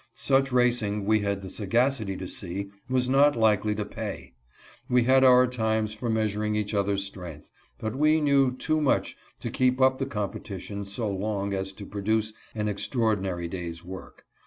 Such racing, we had the sagacity to see, was not likely to pay. We had our times for measur ing each other's strength, but we knew too much to keep up the competition so long as to produce an extraordinary day's work.